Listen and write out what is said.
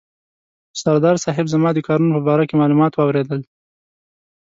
سردار صاحب زما د کارونو په باره کې معلومات واورېدل.